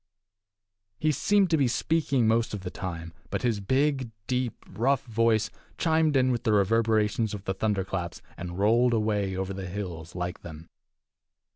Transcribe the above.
He seemed to be speaking most of the time, but his big, deep, rough voice chimed in with the reverberations of the thunder claps and rolled away over the hills like them.